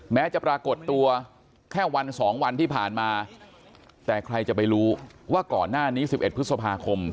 แม้จะปรากฏตัวแค่วัน๒วันที่ผ่านมาแต่ใครจะไปรู้ว่าก่อนหน้านี้๑๑พฤษภาคม